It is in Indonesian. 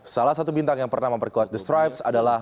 salah satu bintang yang pernah memperkuat the stripes adalah